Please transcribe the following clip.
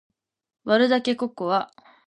割るだけココア